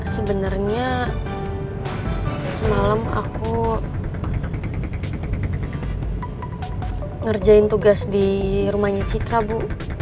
sebenarnya semalam aku ngerjain tugas di rumahnya citra bu